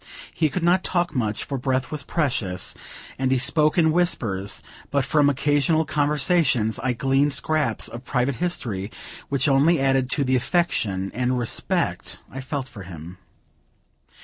He could not talk much, for breath was precious, and he spoke in whispers; but from occasional conversations, I gleaned scraps of private history which only added to the affection and respect I felt for him.